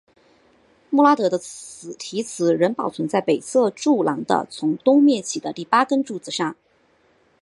穆拉德的题词仍保存在北侧柱廊的从东面起的第八根柱子上。